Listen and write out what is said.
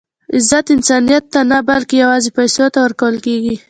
عزت انسانیت ته نه؛ بلکي یوازي پېسو ته ورکول کېږي.